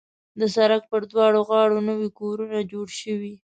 د سړک پر دواړه غاړو نوي کورونه جوړ شوي.